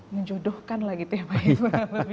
menjodohkan lah gitu ya pak iwan